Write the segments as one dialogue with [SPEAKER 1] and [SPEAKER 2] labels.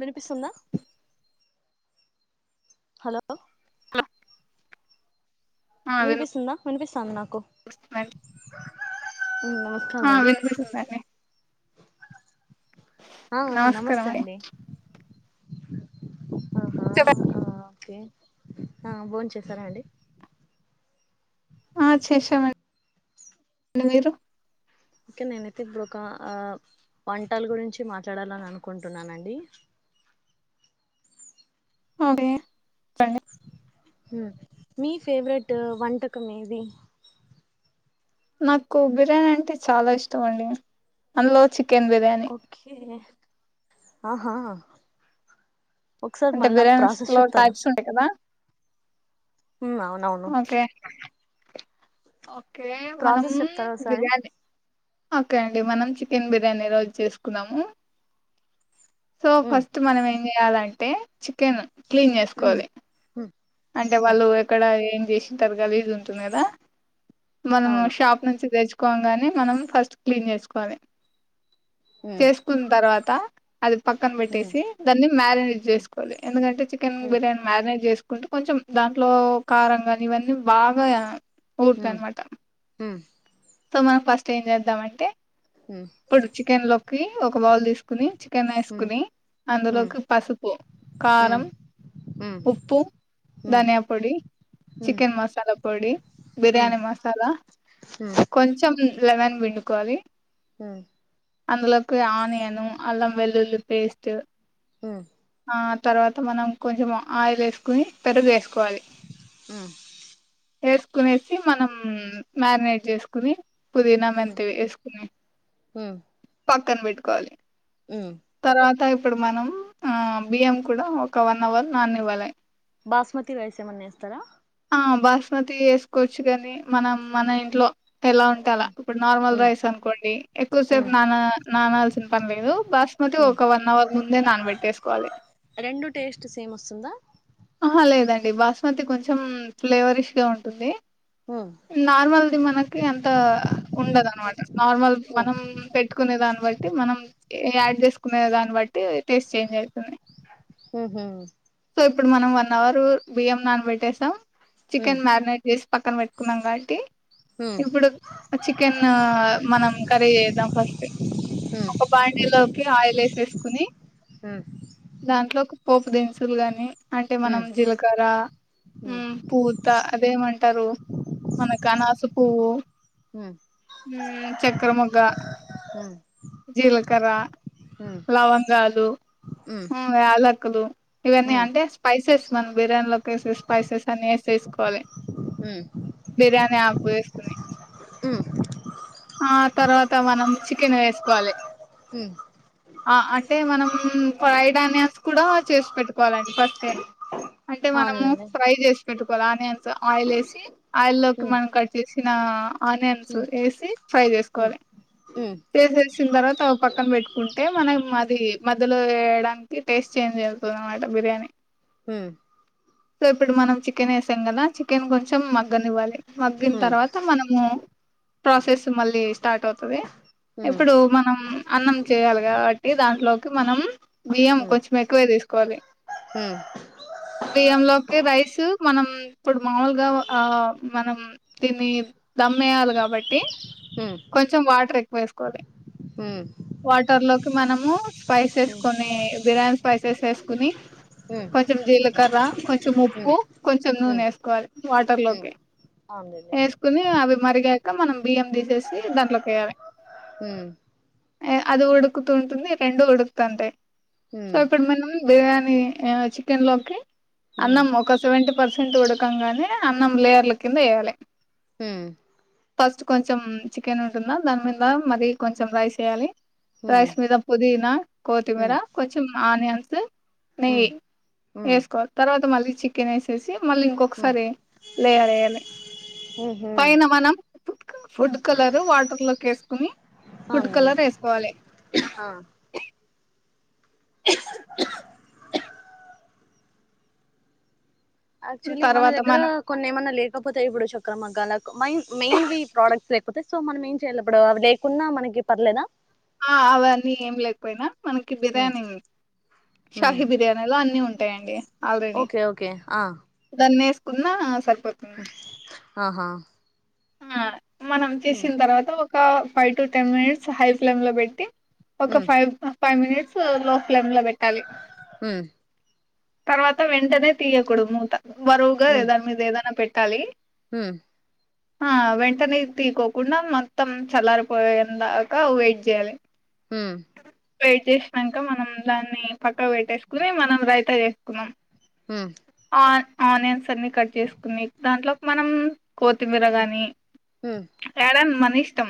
[SPEAKER 1] వినిపిస్తుందా hello
[SPEAKER 2] hello
[SPEAKER 1] వినిపిస్తుందా వినిపిసు టన్న
[SPEAKER 2] వెన్
[SPEAKER 1] నమస్కారం
[SPEAKER 2] ఆ
[SPEAKER 1] అండి
[SPEAKER 2] వినిపిస్తుదండి
[SPEAKER 1] ఆ ఆ నమస్తే అండి ఆహా ఆ ఓకే ఆ బోంచేసారా అండి
[SPEAKER 2] ఆ చేసామండి మీరు
[SPEAKER 1] ఒకే నేనైతే ఇప్పుడు ఒకా ఆ వంటల్ గురించి మాట్లాడాలని అనుకుంటున్నానండి
[SPEAKER 2] ఓగే నండి
[SPEAKER 1] ము మీ ఫేవరెట్ వంటకం ఏది
[SPEAKER 2] నాకు బిర్యానీ అంటే చాలా ఇష్టం అండి అందులో చి
[SPEAKER 1] ఓకే హా హా
[SPEAKER 2] అంటే
[SPEAKER 1] నాకు
[SPEAKER 2] బిర్యానీస్
[SPEAKER 1] ప్రాసెస్
[SPEAKER 2] లో
[SPEAKER 1] చెప్తారా
[SPEAKER 2] టైప్స్ ఉంటయి కదా
[SPEAKER 1] హ్మ్ అవునవును
[SPEAKER 2] ఓకే ఓకే మనము
[SPEAKER 1] ప్రాసెస్ చెప్తారా ఒకసారి
[SPEAKER 2] బిర్యానీ ఓకే అండి మనం చికెన్ బిర్యానీ ఈ రోజు చేసుకుందాము సొ
[SPEAKER 1] హ్మ్
[SPEAKER 2] ఫస్ట్ మనం ఏం చెయాలం టే చికెన్ క్లీన్
[SPEAKER 1] హ్మ్
[SPEAKER 2] చేసుకోలి
[SPEAKER 1] హ్మ్
[SPEAKER 2] అంటె
[SPEAKER 1] హ్మ్
[SPEAKER 2] వాళ్ళు ఎక్కడ ఏం ఏంజెషితరు గలీస్ ఉంటుంది కదా మనము
[SPEAKER 1] అవును
[SPEAKER 2] షాప్ నుంచి తెచు కొంగానే మనం ఫస్ట్ క్లీన్ చేసుకోవాలి
[SPEAKER 1] హ్మ్
[SPEAKER 2] చేసుకున్ తర్వాత అది పక్కన
[SPEAKER 1] హ్మ్
[SPEAKER 2] పెట్టేసి దాన్ని మ్యారినేట్
[SPEAKER 1] హ్మ్
[SPEAKER 2] చేసుకోవాలి ఎందుకంటే చికెన్
[SPEAKER 1] హ్మ్
[SPEAKER 2] బిర్యానీ మ్యారినేట్ చేసు కొట్టు కొంచెం దాంట్లో కారంగా ఇవన్నీ బాగా ఊరూతాయి
[SPEAKER 1] హ్మ్
[SPEAKER 2] అన్నమాట సొ మనం ఫస్ట్ ఏం చేద్దామంటే పొడుచికెన్లోకి ఒక్ క బాల్ తీసుకుని ఒక చికెన్ ఏసుకుని అందులోకి పసుపు కారం ఉప్పు ధన్యా పొడి చికెన్ మసాలా పొడి బిర్యానీ మసాలా కొంచము లెమన్ పిండుకోవాలి
[SPEAKER 1] హు
[SPEAKER 2] అందులోకి ఆనియన్ అల్లంవెల్లులి పేస్ట్
[SPEAKER 1] హు
[SPEAKER 2] ఆ తర్వాత మనం కొంచెం ఆయిల్ ఏసుకుని పెరుగు వేసు కోవలీ వేసుకునేసి మనం మాగ్నెట్ చేసుకొని పుదీనా మెంతువి ఏసుకోని పక్కనబెట్కోవాలి తర్వాత ఇప్పుడు మనం ఆ బియ్యం కూడా ఒక వన్ హోవర్ నాననివ్వాలి
[SPEAKER 1] బాస్మతి రైస్ ఏమన్నా వేస్తారా
[SPEAKER 2] ఆ బాస్మతి ఏసుకోవచ్చు గాని మనం మన ఇంట్లో ఎలా ఉంటే అలా ఇప్పుడు నార్మల్ రైస్ అనుకోండి ఎక్కువ సేపు నానా నానల్సిన పని లేదు బాస్మతి ఒక వన్ హోవర్ ముందే నానబెట్టేసుకోవాలి
[SPEAKER 1] రెండు టేస్ట్ సేమ్ వస్తుందా
[SPEAKER 2] ఆహా లేదండి బాస్మతి కొంచెం ఫ్లేవరిష్ గా ఉంటుంది నార్మల్ది మనకి అంత ఉండదు అన్నమాట నార్మల్ మనం పెట్టుకునే దాన్ని బట్టి మనం యాడ్ చేసుకునే దాన్ని బట్టి [inaudible] ట్టి టేస్టు చేంజ్ అవుతది సో ఇప్పుడు మనం వన్ హోవర్ బియ్యం నానబెట్టేసం చికెన్ మాగ్నెట్ చేసి పక్కన పెట్టుకున్నాం కాబట్టి ఇప్పుడు చికెన్ మనం కర్రీ చేద్దాం ఫస్ట్ ఒక బ్యాండిలోకి ఆయిల్ ఎసేసుకొని దాంట్లో ఒక పోపు దినుసులు కాని అంటే మనం జీలకర్ర పూత అదేమంటారు మన కనాస పువ్వు చక్కెర మొగ్గ జీలకర్ర లవంగాలు యాలక్ కాదు ఇవన్నీ అంటే సేస్ మనం బిర్యానీలోకి స్పైసెస్ అన్నీ వేసేసుకోవాలి బిర్యానీ ఆకు వేస్తే ఆ తర్వాత మనం చికెన్ వేసుకోవాలి ఆ అంటే మనం ఫ్రైడ్ ఆనియన్స్ కూడా చేసి పెట్టుకోవాలండి ఫస్ట్ సరే అంటే మనము ఫ్రై చేసి పెట్టుకోవాలా అని నేను ఆయిల్ ఎసి ఆయిల్లోకి మనం కట్ చేసి ఆ ఆనియన్స్ వేసి ఫ్రై చేసుకోవాలి
[SPEAKER 1] అవునులేండి
[SPEAKER 2] వసిన తర్వాత పక్కన పెట్టుకుంటే మనం అది మధ్యలో వేయడానికి టేస్ట్ చేంజ్ అవుతుంది అనమాట బిర్యానీ
[SPEAKER 1] మ్మ్
[SPEAKER 2] సో ఇప్పుడు మనం చికెన్ వేసాం కదా చికెన్ కొంచెం మగ్గనివ్వాలి మగ్గిన తర్వాత మనము ప్రాసెస్ మళ్ళీ స్టార్ట్ అవుతుది ఇప్పుడు
[SPEAKER 1] అవునండి
[SPEAKER 2] మనం అన్నం చేయాలి కాబట్టి దాంట్లోకి మనం బియ్యం కొంచెం ఎక్కువే తీసుకోవాలి బియ్య లోకి రైస్ మనం ఇప్పుడు మామూలుగా ఆ మనం దీన్ని దమ్ వేయాలి కాబట్టి కొంచెం వాటర్ ఎక్కువ వేసుకోవాలి వాటర్ లోకి మనము స్పైసెస్ కొని బిర్యానీ స్పైసెస్ వేసుకుని కొంచెం జీలకర్ర కొంచెం ఉప్పు కొంచెం నూనె వేసుకోవాలి వాటర్ లోకి
[SPEAKER 1] అవునండి
[SPEAKER 2] ఏస్కుని అవి మరిగాయక మనం బియ్యం తీసేసి దాంట్లోకి వేయాలి
[SPEAKER 1] మ్మ్
[SPEAKER 2] అది ఉడుకుతూంటుంది రెండు ఉడుకుతుంటాయి సో ఇప్పుడు మనం బిర్యానీ చికెన్ లోకి అన్నం ఒక సెవెంటీ పర్సెంట్ ఉడకంగానే అన్నం లేయర్ల కింద వేయాలి ఫస్ట్ కొంచెం చికెన్ ఉంటుందా దాని మీద మరి కొంచెం రైస్ వేయాలి రైస్ మీద పోదీనా కోతిమిరా కొంచెం ఆనియన్స్ నెయ్యి వేసుకో తర్వాత మళ్ళీ చికెన్ వేసేసి మళ్ళీ ఇంకొకసారి లే వేయాలి పైన మనం ఫుడ్ కలరు వాటర్ లోకి ఏసుకుని ఫుడ్ కలర్ ఏసుకోవాలి
[SPEAKER 1] ఆ యాక్చువలీ మన
[SPEAKER 2] తర్వాత
[SPEAKER 1] దగ్గరా
[SPEAKER 2] మనం
[SPEAKER 1] కొన్ని ఏమన్న లే లేకపోతే ఇప్పుడు చక్ర మగ్గాలకు మైన్ మెయిన్వి ప్రోడక్ట్స్ లేకపోతె సో మనం ఏం చేయలప్పుడూ అవి లేకున్న మనకి పర్లేదా
[SPEAKER 2] ఆ అవన్నీ ఏం లేకపోయిన మనకి బిర్యానీ షాహీ బిర్యానీ లో అన్ని ఉం ఉంటాయి అండి
[SPEAKER 1] ఓకే ఓకే ఆ
[SPEAKER 2] అన్ని వేసుకున్న సర్
[SPEAKER 1] ఆహా
[SPEAKER 2] ఆ మనం చేసింద్ తర్వాత ఒక five two ten minutes high flame లో పెట్టి ఒక ఫైవ్ ఫైవ్ మినిట్స్ ఆ లో ఫ్లేమ్ లో పెట్టాలి తర్వాత వెంటనే తీయకూడదు మూత బరువుగా దాని మీద ఏదన్న పెట్ పౄట్టాలి
[SPEAKER 1] ఉహ్మ్
[SPEAKER 2] ఆ వెంటనే తీకోకుండా మొత్తం చల్లారిపోయిందాకా వెయిట్ జేయాలి
[SPEAKER 1] ఉమ్
[SPEAKER 2] వెయిట్ చేసినంక మనం దాన్ని పక్కక్ పెట్టేసుకునీ మనం రైతా చేసుకున్నం
[SPEAKER 1] ఉమ్
[SPEAKER 2] ఆనియన్స్ అన్ని కట్ చేసుకుని దాంట్లోకి మనం కోత్ కొత్తిమీర గాని నీ ఇష్టం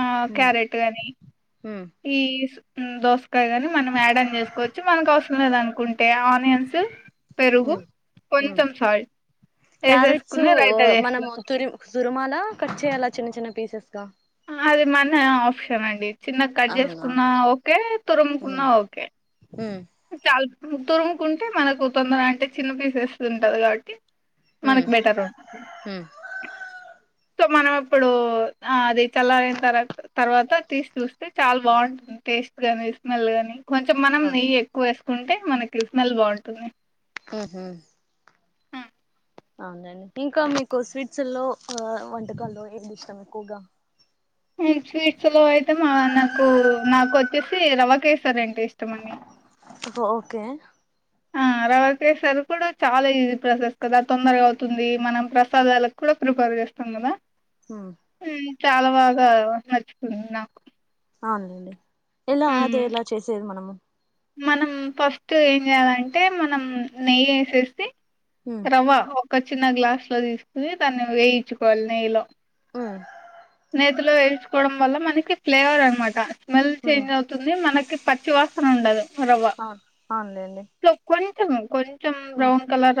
[SPEAKER 2] ఆ
[SPEAKER 1] క్యారెట్స్
[SPEAKER 2] క్యారెట్ గానీ ఈ ఉమ్ దోస్ వంకాయ గాని మనం యాడ్ ఆన్ చేసుకోవచ్చు మనకు అవసరం లేదు అనుకుంటే ఆనియన్సు పెరుగు కొంచెం సాల్ట్ వేసేసుకుని రైతా
[SPEAKER 1] మనము
[SPEAKER 2] చేసుకోవచ్చు
[SPEAKER 1] తురి తురుమాల కట్ చేయాలా చిన్న చిన్న పీసెస్ గా
[SPEAKER 2] అది మన ఆప్షన్ అండి చిన్నగా కట్
[SPEAKER 1] అవునా
[SPEAKER 2] చేసుకున్నా ఓకే తురుముకున్నా ఓకే అల్ తురుముకుంటే మనకు తొందర అంటే చిన్న పీసెస్ ఉంటది కాబట్టి మనకి బెటర్ ఉంటుంది సో మనం అప్పుడు ఆ అది చల్లారిన తర్ తర్వాత తీసి చూస్తే చాలా బాగుంటుంది టేస్ట్ గాని స్మెల్ గాని కొంచం మనం నెయ్యి ఎక్కువే కుంటే మనకి స్మెల్ బాగుంటుంది
[SPEAKER 1] ఉహు అవునండి ఇంకా మీకు స్వీట్స్ లో వంటకాల్లో ఏది ఇష్టం ఎక్కువగా
[SPEAKER 2] ఈ స్వీట్స్ లో అయితే మా నాకు నాకు వచ్చేసి రవ్వ కేేసరంటే ఇష్టమండి
[SPEAKER 1] ఓకే
[SPEAKER 2] ఆ రవ్వ కేసర్ కూడా చాలా ఈజీ ప్రాసెస్ కదా తొందరగా అవుతుంది మనం ప్రసాదాలకు కూడా ప్రిఫర్ చేస్తాం కదా
[SPEAKER 1] హ [inaudible]
[SPEAKER 2] చాలా బాగా నచ్చుతుంది నాకు
[SPEAKER 1] అవునండి ఎలా అదు ఎలా చేసేది మనము
[SPEAKER 2] మనం ఫస్ట్ ఏం చేయాలంటే మనం నెయ్యి వేసేసి రవ్వ ఒక చిన్న గ్లాస్ లో తీసుకుని దాన్ని వేయించుకోవాలి నెయ్యిలో
[SPEAKER 1] ఆ
[SPEAKER 2] నేతిలో వేయించుకోవడం వల్ల మనకి ఫ్లేవర్ అనమాట స్మెల్ చేంజ్ అవుతుంది మనకి పచ్చి వాసన ఉండదు రవ్వ
[SPEAKER 1] ఆ అవునులెండీ
[SPEAKER 2] [unintelligible] కొంచెం బ్రౌన్ కలర్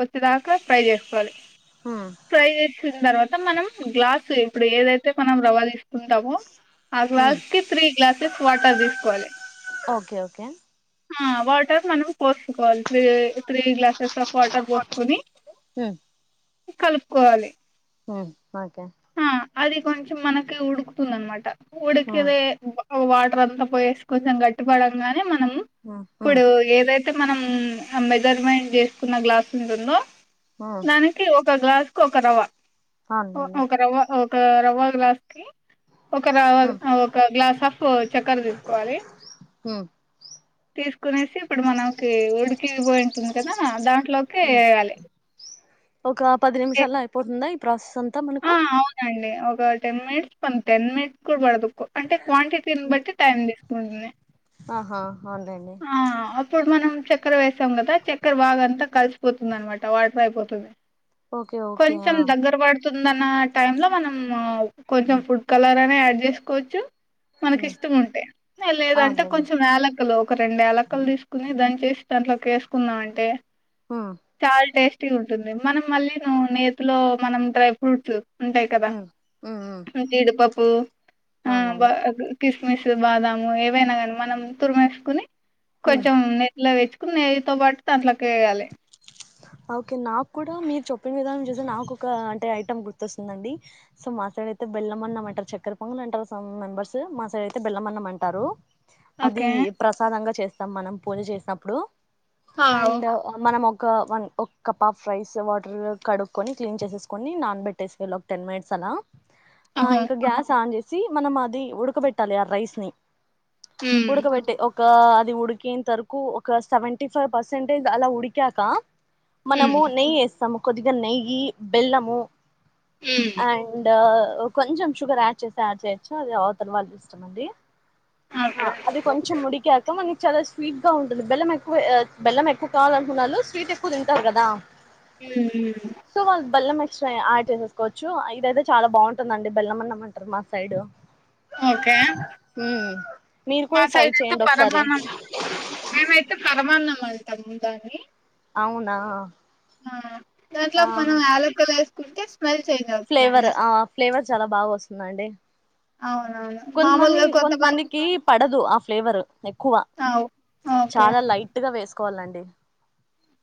[SPEAKER 2] వచ్చేదాకా ఫ్రై చేసుకోవాలి
[SPEAKER 1] ఉమ్
[SPEAKER 2] ప్రై చేస్కున మనం గ్లాసు ఇప్పుడు ఏదైతే మనం రవ్వ ంటాము ఆ గ్లాస్ కి త్రీ గ్లాసెస్ వాటర్ తీసుకోవాలి
[SPEAKER 1] ఓకే ఓకే
[SPEAKER 2] ఆ వాటర్ మనం పోసుకోవాలి three three glasses of water పోసుకొని కలుపుకోవాలి
[SPEAKER 1] ఓకే
[SPEAKER 2] ఆ అది కొంచెం మనకి ఉడుకుతుంది అనమాట ఉడికిదే బువ్వ వాటర్ అంతా పోయేసి కొంచెం గట్టిపడంగానీ మనం ఇప్పుడు ఏదైతే మనం అబదర్మ చేసుకున్న గ్లాస్ ఉంటుందో నాన్నకి ఒ ఒక గ్లాస్ కు ఒక రవ్వ ఓ
[SPEAKER 1] అవునండి
[SPEAKER 2] ఒక రవ్వ ఓ రవా గ్లాస్కి ఒక ఒక గ్లాస్ ఆఫ్ చక్కర తీసుకోవాలి తీసుకునే ఇప్పుడు మనకి ఓల్డ్ ఇది పోయి ఉంటుంది కదా అ దా లోకి వేయాలి
[SPEAKER 1] ఒక పది నిమిషాల్లో అయిపోతుందా ప్రసంత్
[SPEAKER 2] ఆ అవునండి ఒక టెన్ మినిట్స్ పంది టెన్ మినిట్స్ కూడా బడదు అంటే క్వాంటిటీని బట్టి టైం తీసుకుంటుంది
[SPEAKER 1] ఆహా అవునులేండి
[SPEAKER 2] ఇప్పుడు మనం చక్కెర వేసాం కదా చక్కెర బాగా అంతా కలిసిపోతుంది అనమాట వాటర్ అయిపోతుంది
[SPEAKER 1] ఓకే ఓకే
[SPEAKER 2] కొంచెం
[SPEAKER 1] ఆ
[SPEAKER 2] దగ్గర పాడత తుందన్న టై లో మనం కొంచెం ఫుడ్ కలర్ అయినా యాడ్ చేసుకోవచ్చు మనకి ఇష్టం ఉంటే లేదంటే
[SPEAKER 1] అవునులేండి
[SPEAKER 2] కొంచెం యలుకలు ఒక రెండు యలుకలు తీసుకుని దాని చేసి దాంట్లోకి వేసకున్నాం అంటే చాల టెస్టీ ఉంది ఉంది మనం మళ్ళీ ను నేతి లో మనం్రై కూర్చో ఉంటాయి కదా జీడిపప్పు ఆ బ
[SPEAKER 1] అవునండి
[SPEAKER 2] కిస్మిస్ బాదాము పోయినాగాండి మనం తుర్మ వేసుకుని కొంచెం నెట్ లో పెట్టు నెయ్యితో పాటు దాంట్లకి వెయ్యాలే
[SPEAKER 1] ఆ ఓకే నాకు కూడా మీరు చెప్పిన విధానం చూస్తే నాకు ఒక అంటే ఐటెం గుర్తొస్తుందండి. సో మా సైడ్ అయితే బెల్లమన్నం అంటారు, చక్కెర పొంగల్ అంటారు, సమ్ మెంబర్స్ మా సైడ్ అయితే బెల్లమన్నం అంటారు. అది
[SPEAKER 2] ఓకే
[SPEAKER 1] ప్రసాదంగా చే స్తం మనం పూజ చేసినప్పుడు
[SPEAKER 2] ఆవ్
[SPEAKER 1] అండ్ మనం ఒక్క వన్ ఒక్క కప్ ఆఫ్ రైస్ వాటర్ కడుక్కొని క్లీన్ చేసేసుకొని నానబెట్టేసుకోవాలి ఒక టెన్ మినిట్స్ అన్నా ఆ
[SPEAKER 2] ఓహో
[SPEAKER 1] ఇంకా గ్యాస్ ఆన్ చే సీ మనం అది ఉడకబెట్టాలి ఆ రైస్ ని
[SPEAKER 2] ఉమ్
[SPEAKER 1] ఉడకబెట్టి ఒకా అది ఉడికేంతరకు ఒక సెవెంటీ ఫైవ్ పర్సెంటేజ్ అలా ఉడిక కా మనము
[SPEAKER 2] ఉమ్
[SPEAKER 1] నెయ్యి ఏస్తము కొద్దిగా నెయ్యి, బెల్లము
[SPEAKER 2] ఉమ్
[SPEAKER 1] అండ్ కొంచెం షుగర్ యాడ్ చేస్తే యాడ్ చేయొచ్చు అది అవతల వాళ్ళ ఇష్టం అండి ఆ
[SPEAKER 2] ఓకే
[SPEAKER 1] అది కొంచెం ఉడికాక మన్ చాలా స్వీట్ గా ఉంటుంది. బెలం ఎక్కువ బెల్లం ఎక్కువ కావాలనుకున్నాళ్ళు స్వీట్ ఎక్కువ తింటారు కదా
[SPEAKER 2] హ్మ్-మ్మ్
[SPEAKER 1] సో ఆడ్ చేసేసుకోవచ్చు ఇదైతే చాలా బాగుంటుందండి బెల్లమన్నం అంటరు మా సైడ్
[SPEAKER 2] ఓకే
[SPEAKER 1] మ్మ్ మీరు
[SPEAKER 2] మా
[SPEAKER 1] కూడా ట్రై
[SPEAKER 2] సైడ్ అయితే
[SPEAKER 1] చేయండి ఒకసారి
[SPEAKER 2] పరమాన్నం మేమైతే పరమాన్నం అన్నం టం దాన్నీ
[SPEAKER 1] అవునా
[SPEAKER 2] ఆ దాంట్లో
[SPEAKER 1] ఆ
[SPEAKER 2] మనం యాలకులే సుకుంటే
[SPEAKER 1] ఫ్లేవర్ ఆ ఫ్లేవర్ చాలా బాగా వస్తుందండి.
[SPEAKER 2] అవునవును
[SPEAKER 1] కొంతమంది
[SPEAKER 2] మామూలుగా కొంతమంది
[SPEAKER 1] కొంతమందికి పడదు ఆ ఫ్లేవర్ క్కువ
[SPEAKER 2] అవ్ ఓకే
[SPEAKER 1] చాల లైట్ గా వేసు కోవాలండి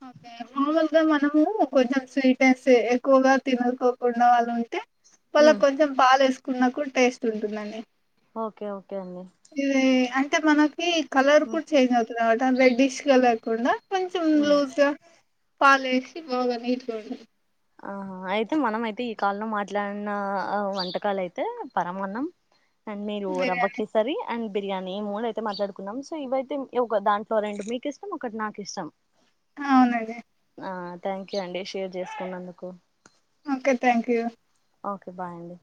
[SPEAKER 2] ఓకే మాములుగా మనము కొంచెం స్వీటేస్తే ఎక్కువగా తినకోకుండా వాళ్ళుం టే మల్ల
[SPEAKER 1] ఉమ్
[SPEAKER 2] కొంచెం పాలేసు కున్న కూడ టేస్ట్ ఉంటుందండి
[SPEAKER 1] ఓకే ఓకే అండి
[SPEAKER 2] టే మన కీ కలర్
[SPEAKER 1] ఉమ్
[SPEAKER 2] కూడ చేంజ్ అవు వాట అందే డిష్ గా లేకుండా కొంచెం
[SPEAKER 1] ఉమ్
[SPEAKER 2] లూజ్ పాలు వేసి బాగానే ఇటుకోండి
[SPEAKER 1] ఆ అయితే మనం అయితే ఈ కాల్లో మాట్లాడిన వంటకాలు అయితే పరమాన్నం అండ్ మీరు
[SPEAKER 2] బిర్యానీ
[SPEAKER 1] రవ్వకేసరి అండ్ బిర్యానీ మూడు అయితే మాట్లాడుకున్నాం సో ఇవయితే ఒక దాంట్లో రెండు మీకు ఇష్టం ఒకటి నాకు ఇష్టం
[SPEAKER 2] అవునండి
[SPEAKER 1] ఆ థ్యాంక్ యూ అండి షేర్ చేసుకున్నందు కు
[SPEAKER 2] okay thank you
[SPEAKER 1] okay bye అండి